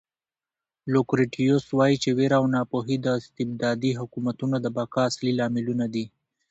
لوکریټیوس وایي چې وېره او ناپوهي د استبدادي حکومتونو د بقا اصلي لاملونه دي.